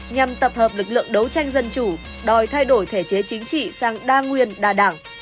nhằm tập hợp lực lượng đấu tranh dân chủ đòi thay đổi thể chế chính trị sang đa nguyên đa đảng